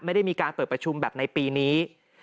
ไม่ได้มีการเปิดประชุมแบบในปีนี้